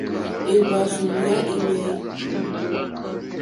Èhvàrzù ya inèi.